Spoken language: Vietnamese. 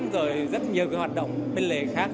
rồi rất nhiều cái hoạt động bên lề khác